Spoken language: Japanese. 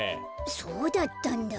そうだったんだ。